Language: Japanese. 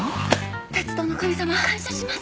鉄道の神様感謝します！